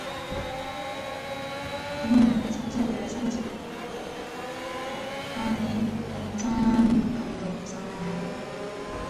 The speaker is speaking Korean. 기호는 장작을 사가지고 약간의 반찬감도 산 모양이다.